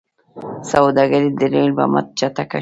سوداګري د ریل په مټ چټکه شوه.